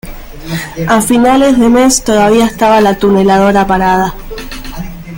A finales de mes todavía estaba la tuneladora parada.